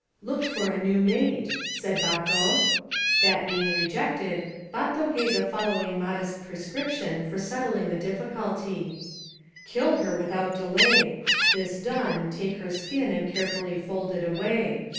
*Xook for a new mate," said Bato. That being rejected, Bato gave the following modest prescription for settling the difficulty: "Kill her without delay. This done, take her skin and carefully fold it away.